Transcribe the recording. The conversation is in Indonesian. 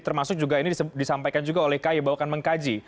termasuk juga ini disampaikan juga oleh kaya bahwa mengkaji